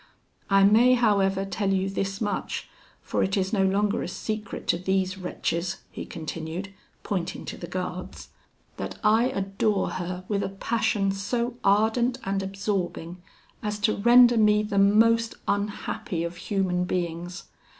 "I may, however, tell you this much, for it is no longer a secret to these wretches," he continued, pointing to the guards, "that I adore her with a passion so ardent and absorbing as to render me the most unhappy of human beings.